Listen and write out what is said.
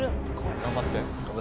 頑張って。